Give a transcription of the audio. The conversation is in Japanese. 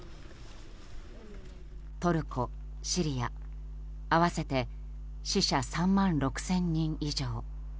トルコ、シリア合わせて死者３万６０００人以上。